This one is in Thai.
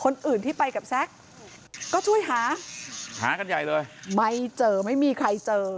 คนอื่นที่ไปกับแซ็กก็ช่วยหาหากันใหญ่เลยไม่เจอไม่มีใครเจอ